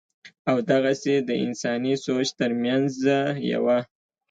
او دغسې دَانساني سوچ تر مېنځه يوه